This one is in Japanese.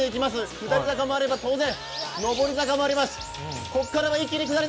下り坂もあれば上り坂もあります。